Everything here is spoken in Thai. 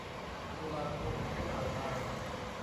ตุลาคมที่ผ่านมา